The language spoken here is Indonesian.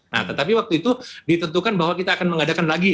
nah tetapi waktu itu ditentukan bahwa kita akan mengadakan lagi